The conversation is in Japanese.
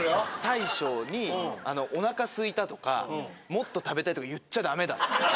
「大将におなかすいたとかもっと食べたいとか言っちゃダメだ」。